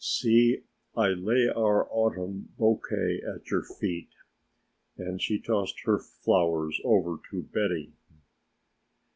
See I lay our autumn bouquet at your feet," and she tossed her flowers over to Betty.